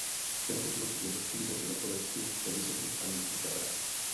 Tento druh je rozšířen i na Slovensku ve Vysokých a Nízkých Tatrách.